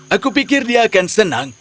aku pikir dia akan senang